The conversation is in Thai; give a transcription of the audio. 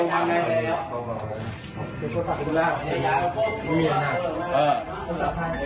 ช่วยเขามานอนตรงนี้ก่อน